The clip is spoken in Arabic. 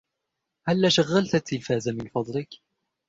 هلا شغلت التلفاز من فضلك؟